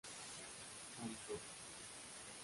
San Roque.